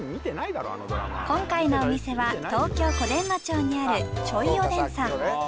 今回のお店は東京・小伝馬町にあるちょいおでんさん